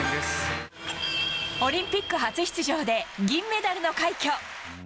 オリンピック初出場で銀メダルの快挙